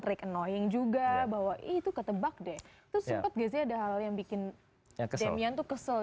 trik annoying juga bahwa itu ketebak deh terus sempat gizi ada hal yang bikin yang kesel kesel